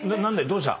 どうした？